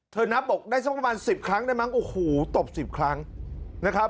นับบอกได้สักประมาณ๑๐ครั้งได้มั้งโอ้โหตบ๑๐ครั้งนะครับ